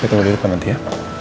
saya teman di depan nanti ya